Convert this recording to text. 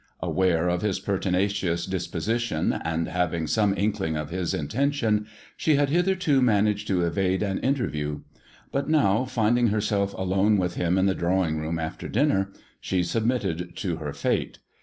Aware of his pertinacious disposition, and having some inkling of his intention, she had hitherto managed to evade an interview ; but now, finding herself alone with him in the drawing room after dinner, she submitted to her fate.